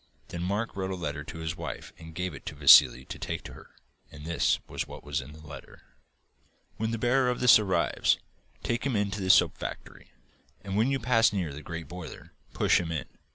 Then Mark wrote a letter to his wife and gave it to Vassili to take to her, and this was what was in the letter: 'When the bearer of this arrives, take him into the soap factory, and when you pass near the great boiler, push him in.